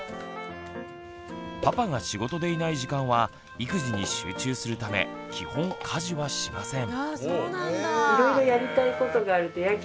パパが仕事でいない時間は育児に集中するため基本家事はしません。